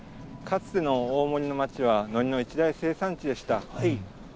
かつての大森の町はのりの一大生産地でした。